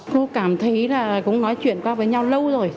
cô cảm thấy là cũng nói chuyện qua với nhau lâu rồi